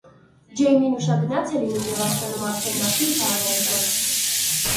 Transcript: Ջեյմին ուշագնաց է լինում և արթնանում արդեն նախկին քահանայի տանը։